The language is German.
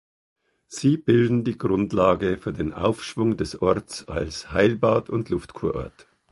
Sie bilden die Grundlage für den Aufschwung des Orts als Heilbad und Luftkurort.